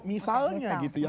misalnya gitu ya